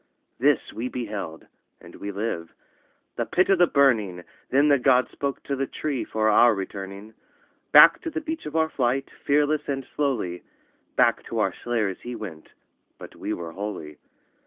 This we beheld (and we live) the Pit of the Burning, Then the God spoke to the tree for our returning; Back to the beach of our flight, fearless and slowly, Back to our slayers he went: but we were holy.